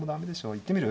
行ってみる？